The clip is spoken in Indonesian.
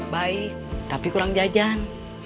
baik tapi kurang jajan